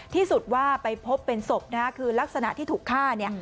ที่สุดว่าไปพบเป็นศพนะฮะคือลักษณะที่ถูกฆ่าเนี่ย